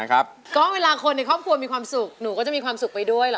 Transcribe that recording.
ก็เวลาคนในครอบครัวมีความสุขหนูก็จะมีความสุขไปด้วยเหรอ